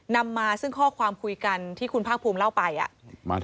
นำมาซึ่งข้อความคุยกันที่คุณภาคภูมิเล่าไป